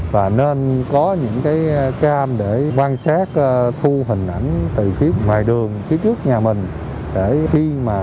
và nên có những cam để quan sát thu hình ảnh từ phía ngoài đường phía trước nhà mình